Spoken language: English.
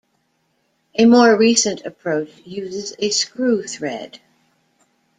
A more recent approach uses a screw thread.